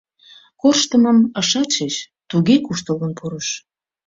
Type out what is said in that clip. Корштымым ышат шиж — туге куштылгын пурыш.